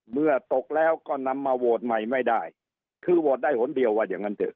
เมื่อตกแล้วก็นำมาโหวตใหม่ไม่ได้คือโหวตได้หนเดียวว่าอย่างนั้นเถอ